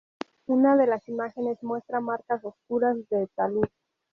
Una de las imágenes muestra marcas oscuras de talud.